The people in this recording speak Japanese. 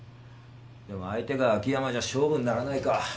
でも相手が秋山じゃ勝負にならないか。